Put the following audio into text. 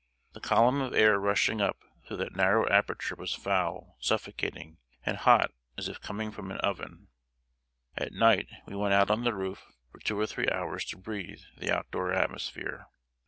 The column of air rushing up through that narrow aperture was foul, suffocating, and hot as if coming from an oven. At night we went out on the roof for two or three hours to breathe the out door atmosphere.